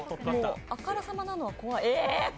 あからさまのは怖い。